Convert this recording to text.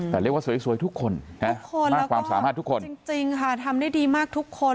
แต่เรียกว่าสวยทุกคนทุกคนแล้วก็จริงค่ะทำได้ดีมากทุกคน